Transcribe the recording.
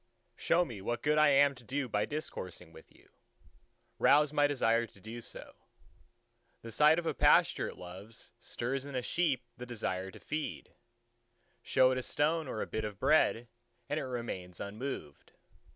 ... Show me what good I am to do by discoursing with you. Rouse my desire to do so. The sight of a pasture it loves stirs in a sheep the desire to feed: show it a stone or a bit of bread and it remains unmoved.